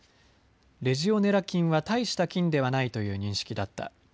レジオネラ菌は大した菌ではないという認識だった。